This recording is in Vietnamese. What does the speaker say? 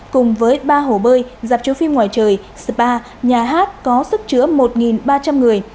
cùng với ba hồ bơi giảm chiếu phim ngoài trời spa nhà hát có sức chứa một ba trăm linh người